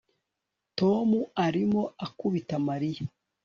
Tom arimo akubita Mariya